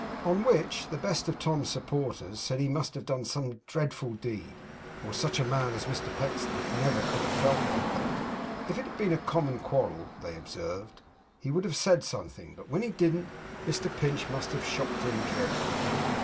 On which, the best of Tom's supporters said he must have done some dreadful deed, or such a man as Mr Pecksniff never could have felt like that. If it had been a common quarrel (they observed), he would have said something, but when he didn't, Mr Pinch must have shocked him dreadfully.